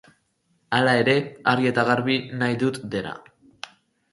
Hala ere, argi eta garbi nahi dut dena.